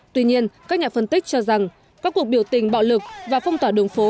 tuy nhiên các nhà phân tích cho rằng các cuộc biểu tình bạo lực và phong tỏa đường phố